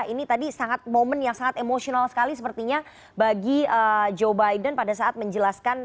ini tadi sangat momen yang sangat emosional sekali sepertinya bagi joe biden pada saat menjelaskan